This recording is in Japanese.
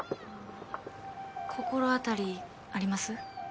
心当たりあります？